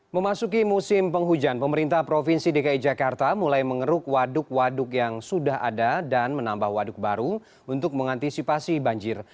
memasuki musim penghujan pemerintah provinsi dki jakarta mulai mengeruk waduk waduk yang sudah ada dan menambah waduk baru untuk mengantisipasi banjir